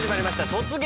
「突撃！